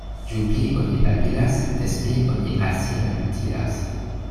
Ju pli oni babilas, des pli oni al si malutilas.